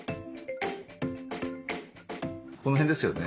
この辺ですよね。